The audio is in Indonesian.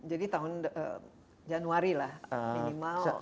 jadi tahun januari lah minimal